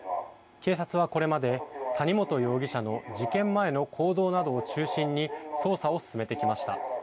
警察は、これまで谷本容疑者の事件前の行動などを中心に捜査を進めてきました。